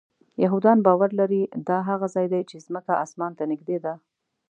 یهودان باور لري دا هغه ځای دی چې ځمکه آسمان ته نږدې ده.